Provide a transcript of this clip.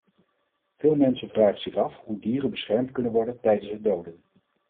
Veel mensen vragen zich af hoe dieren beschermd kunnen worden tijdens het doden.